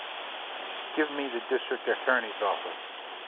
Give me the District Attorney's office.